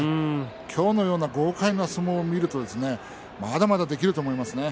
今日のような豪快な相撲を見るとまだまだできると思いますね。